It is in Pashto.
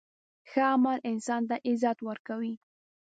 ښه عمل انسان ته عزت ورکوي.